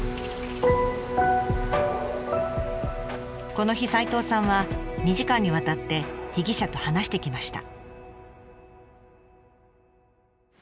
この日齋藤さんは２時間にわたって被疑者と話してきました。